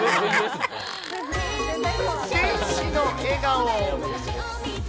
天使の笑顔。